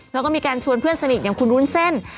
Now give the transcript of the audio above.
แล้วก็มีการชวนเพื่อนสนิทอย่างคุณวุ้นเส้น